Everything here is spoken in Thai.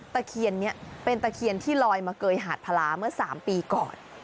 ตะเคียนนี้เป็นตะเคียนที่ลอยมาเกยหาดพลาเมื่อ๓ปีก่อน